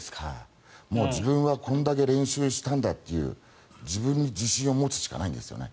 自分はこれだけ練習したんだっていう自分に自信を持つしかないんですよね。